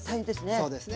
そうですね。